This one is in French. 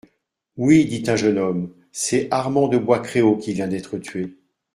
Oui, dit un jeune homme, c'est Armand de Bois-Créault qui vient d'être tué.